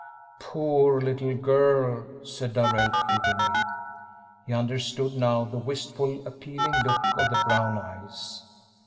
"Poor little girl!" said Darrell, pityingly. He understood now the wistful, appealing look of the brown eyes.